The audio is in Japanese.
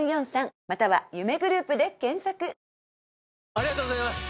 ありがとうございます！